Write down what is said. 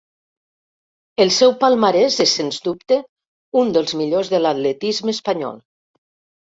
El seu palmarès és sens dubte un dels millors de l'atletisme espanyol.